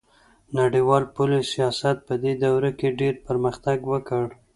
نړیوال پولي سیاست پدې دوره کې ډیر پرمختګ وکړ